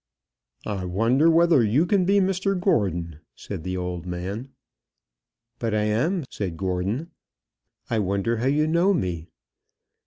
"I wonder whether you can be Mr Gordon," said the old man. "But I am," said Gordon. "I wonder how you know me."